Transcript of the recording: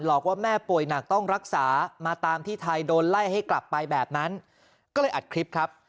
ว่าแม่ป่วยหนักต้องรักษามาตามที่ไทยโดนไล่ให้กลับไปแบบนั้นก็เลยอัดคลิปครับ